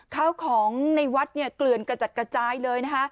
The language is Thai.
ข้าวของในวัดเกลือนกระจัดกระจายเลยนะคะ